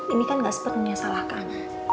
ini kan gak sepenuhnya salahkan